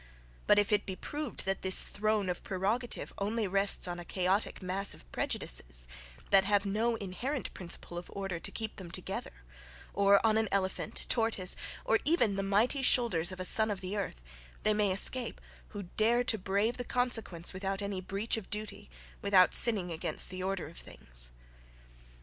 But, if it be proved that this throne of prerogative only rests on a chaotic mass of prejudices, that have no inherent principle of order to keep them together, or on an elephant, tortoise, or even the mighty shoulders of a son of the earth, they may escape, who dare to brave the consequence without any breach of duty, without sinning against the order of things.